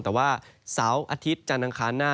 แต่ว่าเสาร์อาทิตย์จาลต่างคลานหน้า